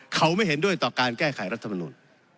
เขาไม่เห็นด้วยต่อการแก้ไขรัฐมนุน